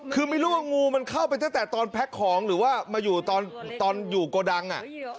คือไม่รู้ว่างูมันเข้าไปตั้งแต่ตอนแพ็คของหรือว่ามาอยู่ตอนอยู่โกดัง